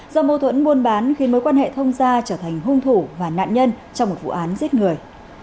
do mâu thuẫn buôn bán khiến mối quan hệ thông gia trở thành hung thủ và nạn nhân trong một vụ án giết người